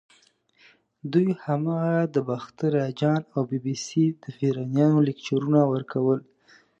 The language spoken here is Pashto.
دوی هماغه د باختر اجان او بي بي سۍ د پیریانو لیکچرونه ورکول.